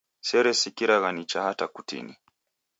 Seresikiragha nicha hata kutini.